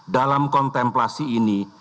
dalam kontemplasi ini